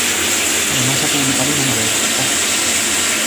Además ha publicado una novela: "Oh!